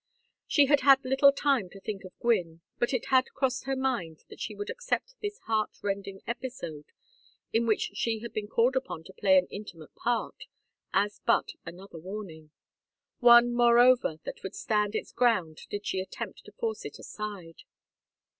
She had had little time to think of Gwynne, but it had crossed her mind that she would accept this heartrending episode, in which she had been called upon to play an intimate part, as but another warning; one, moreover, that would stand its ground did she attempt to force it aside.